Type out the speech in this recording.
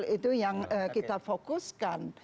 itu yang kita fokuskan